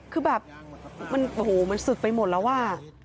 คือแบบโอ้โหมันสึกไปหมดแล้วว่า